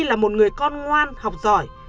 là một người con ngoan học giỏi